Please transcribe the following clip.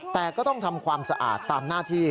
แต่ก็ต้องทำความสะอาดตามหน้าที่